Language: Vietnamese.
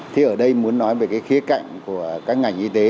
thế ở đây muốn nói về khía cạnh của các ngành y tế